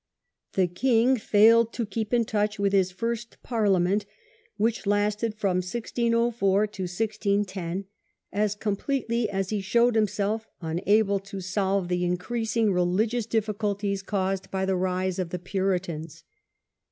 The king failed to keep character of in touch with his first Parliament, which t*^c first period, lasted from 1604 to i6to, as completely as he showed himself unable to solve the increasing religious difficulties caused by the rise of the Puritans.